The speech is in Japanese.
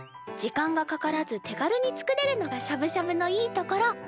時間がかからず手軽に作れるのがしゃぶしゃぶのいいところ。